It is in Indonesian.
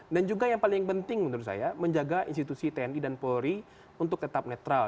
dan juga yang paling penting menurut saya menjaga institusi tni dan polri untuk tetap netral